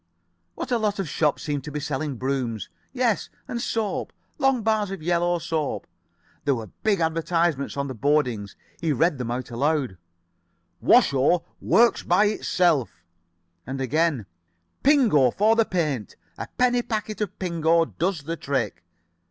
What a lot of shops seemed to be selling brooms. Yes, and soap. Long bars of yellow soap. There were big advertisements on the boardings. He read them aloud: "WASHO. WORKS BY ITSELF." And again: "PINGO FOR THE PAINT. A PENNY PACKET OF PINGO DOES THE TRICK."